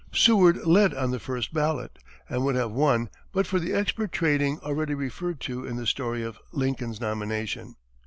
Seward led on the first ballot, and would have won but for the expert trading already referred to in the story of Lincoln's nomination.